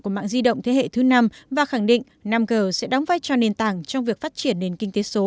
của mạng di động thế hệ thứ năm và khẳng định năm g sẽ đóng vai cho nền tảng trong việc phát triển nền kinh tế số